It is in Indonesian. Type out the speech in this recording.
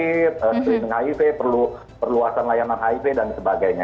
screening hiv perlu perluasan layanan hiv dan sebagainya